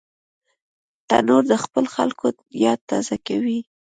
تنور د خپلو خلکو یاد تازه کوي